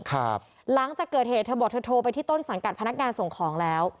หลังจากเกิดเหตุเธอบอกเธอโทรไปที่ต้นสังกัดพนักงานส่งของแล้ว